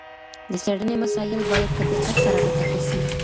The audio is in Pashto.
د څېړني مسایل باید په دقت سره وټاکل سي.